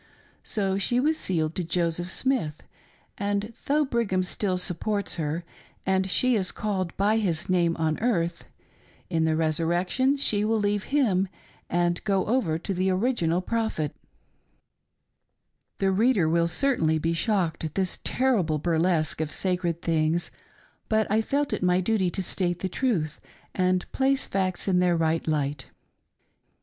So she was sealed to Joseph Smith, and" though Brigham still supports her and she is called by his name on earth, in the resurrection she will leave him and go over to the ori^nal Prophet. 16 2S6 WHAT IS A "FIXIN?" ■ The reader will certainly be shocked at this terrible bur lesque of sacred things, but I felt it my duty to state the truth and place facts in their right light.